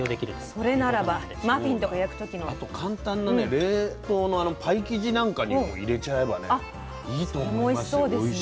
それならばマフィンとか焼く時の。そうかあと簡単なね冷凍のパイ生地なんかにも入れちゃえばねいいと思いますよ。